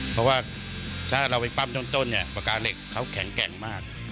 เพราะว่าถ้าเราไปปั้มต้นเนี่ยปากกาเหล็กเขาแข็งแกร่งมาก